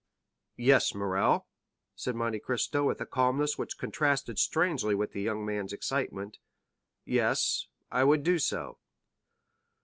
"Yes, Morrel," said Monte Cristo, with a calmness which contrasted strangely with the young man's excitement; "yes, I would do so."